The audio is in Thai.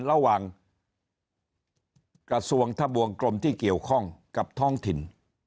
ระหว่างกระทรวงทะบวงกรมที่เกี่ยวข้องกับท้องถิ่น